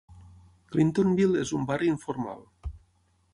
Clintonville és un barri informal.